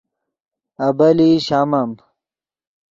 ابیلئی شامم